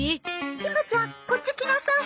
ひまちゃんこっち来なさい。